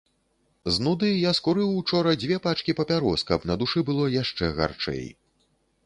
З нуды я скурыў учора дзве пачкі папярос, каб на душы было яшчэ гарчэй.